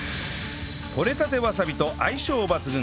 採れたてわさびと相性抜群！